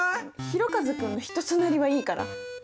ひろかず君の人となりはいいから。